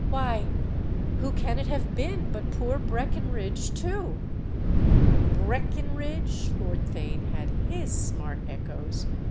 "Why, who can it have been but poor Breckenridge too?" "'Breckenridge'—?" Lord Theign had his smart echoes.